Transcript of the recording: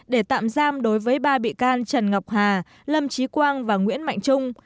để tạm giam đối với ba bị can trần ngọc hà lâm trí quang và nguyễn mạnh trung